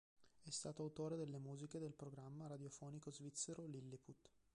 È stato autore delle musiche del programma radiofonico svizzero "Lilliput".